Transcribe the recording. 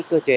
cho bố trí